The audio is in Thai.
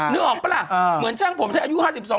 นึกออกปะล่ะเหมือนช่างผมใช้อายุห้าสิบสอง